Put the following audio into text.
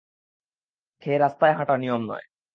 খেয়ে রাস্তায় হাঁটা নিয়ম নয়।